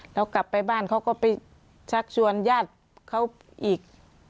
แล้วกลับไปบ้านเขาก็ไปชักชวนญาติเขาอีก